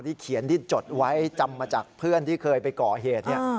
เขียนที่จดไว้จำมาจากเพื่อนที่เคยไปก่อเหตุเนี่ย